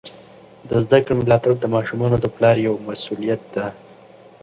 د زده کړې ملاتړ د ماشومانو د پلار یوه مسؤلیت ده.